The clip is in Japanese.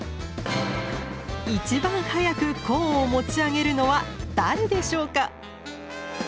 一番早くコーンを持ち上げるのは誰でしょうか？